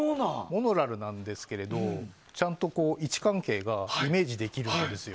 モノラルなんですけどちゃんと位置関係がイメージできるんですよ。